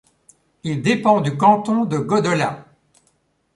Il dépend du canton de Godola.